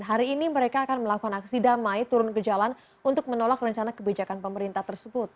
hari ini mereka akan melakukan aksi damai turun ke jalan untuk menolak rencana kebijakan pemerintah tersebut